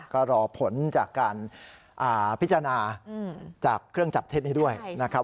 ก็รอผลจากการพิจารณาจากเครื่องจับเท็จนี้ด้วยนะครับ